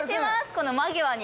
この間際に。